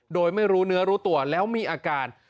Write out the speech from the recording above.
โดยไม่รู้เนื้อรู้ตัวแล้วมีอาการ